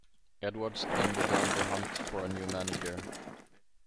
Edwards then began the hunt for a new manager.